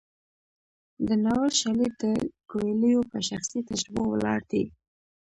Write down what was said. د ناول شالید د کویلیو په شخصي تجربو ولاړ دی.